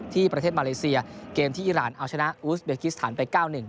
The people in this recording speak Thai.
ที่ประเทศมาเลเซียเกมที่อิราณอาชนะอูสเบคิสฐานไปเก้าหนึ่ง